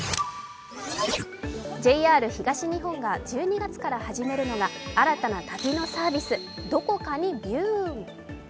ＪＲ東日本が１２月から始めるのが新たな旅のサービス、「どこかにビューーン！」。